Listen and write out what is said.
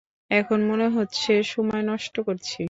এখন মনে হচ্ছে সময় নষ্ট করছি।